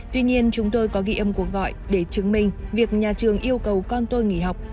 tuy nhiên chúng tôi có ghi âm cuộc gọi để chứng minh việc nhà trường yêu cầu con tôi nghỉ học